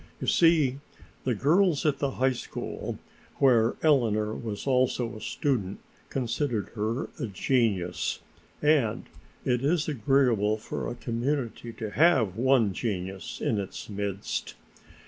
You see, the girls at the high school where Eleanor was also a student considered her a genius, and it is agreeable for a community to have one genius in its midst.